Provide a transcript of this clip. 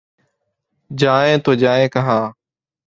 جائیں تو جائیں کہاں؟